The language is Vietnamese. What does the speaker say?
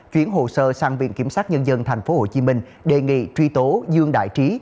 chuyển hồ sơ sang viện kiểm sát nhân dân tp hcm đề nghị truy tố dương đại trí